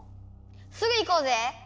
すぐ行こうぜ！